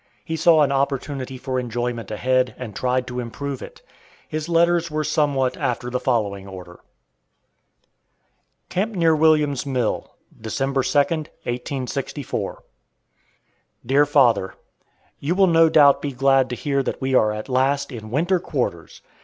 He saw an opportunity for enjoyment ahead, and tried to improve it. His letters were somewhat after the following order: CAMP NEAR WILLIAMS' MILL, December 2, 1864. DEAR FATHER, You will no doubt be glad to hear that we are at last in winter quarters!